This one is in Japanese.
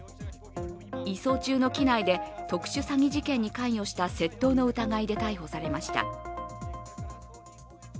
移送中の機内で特殊詐欺事件に関与した窃盗の疑いで逮捕されました。